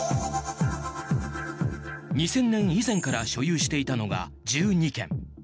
２０００年以前から所有していたのが１２件。